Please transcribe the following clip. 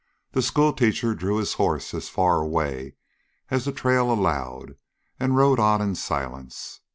The schoolteacher drew his horse as far away as the trail allowed and rode on in silence.